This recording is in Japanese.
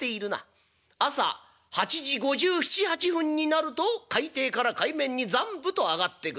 朝８時５７５８分になると海底から海面にザンブと上がってくる。